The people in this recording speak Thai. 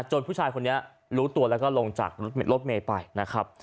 ผู้ชายคนนี้รู้ตัวแล้วก็ลงจากรถเมย์ไปนะครับ